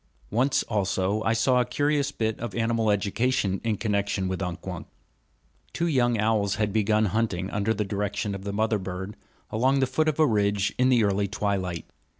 Once also I saw a curious bit of animal education in connection with Unk Wunk. Two young owls had begun hunting, under direction of the mother bird, along the foot of a ridge in the early twilight.